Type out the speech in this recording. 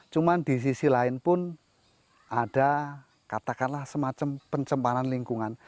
cuma di sisi lain pun ada katakanlah semacam pencemparan lingkungan